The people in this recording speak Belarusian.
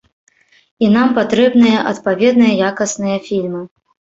І нам патрэбныя адпаведныя, якасныя фільмы.